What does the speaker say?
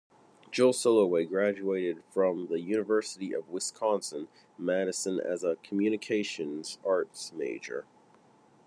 Jill Soloway graduated from the University of Wisconsin-Madison as a communications arts major.